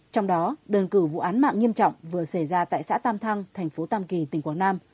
trong đó đơn cử vụ án mạng nghiêm trọng vừa xảy ra tại xã tam thăng thành phố tam kỳ tỉnh quảng nam